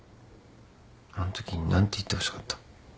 あんとき何て言ってほしかった？